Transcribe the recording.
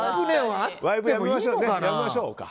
やめましょうか。